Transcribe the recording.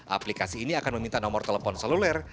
aplikasi ini akan meminta nomor telepon seluler